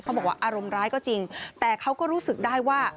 บอกว่าอารมณ์ร้ายก็จริงแต่เขาก็รู้สึกได้ว่า